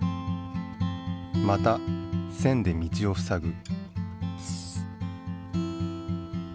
また線で道をふさぐ。